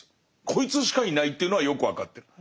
こいつしかいないっていうのはよく分かってる。